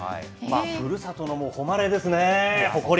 ふるさとのほまれですね、誇り。